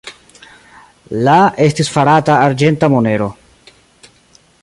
La estis farata arĝenta monero.